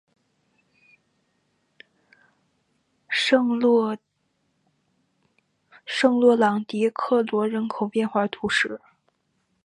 圣洛朗迪克罗人口变化图示